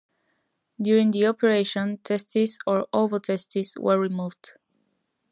During the operation testes or ovotestes were removed.